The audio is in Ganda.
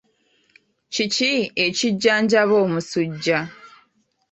Kiki ekijjanjaba omusujja?